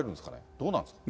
どうなんですか？